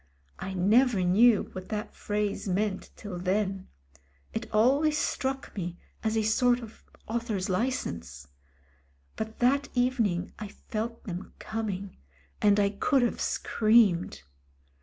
I never knew what that phrase meant till then; it always struck me as a sort of author's license. But that evening I felt them coming, and I could have screamed.